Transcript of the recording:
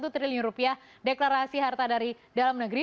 tiga empat ratus sembilan puluh satu triliun rupiah deklarasi harta dari dalam negeri